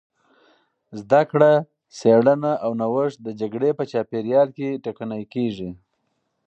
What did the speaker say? زدهکړه، څېړنه او نوښت د جګړې په چاپېریال کې ټکنۍ کېږي.